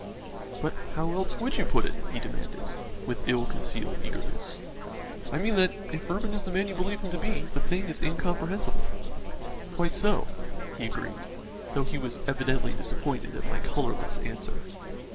"But how else would you put it?" he demanded, with ill concealed eagerness. "I mean that, if Reuben is the man you believe him to be, the thing is incomprehensible." "Quite so," he agreed, though he was evidently disappointed at my colourless answer.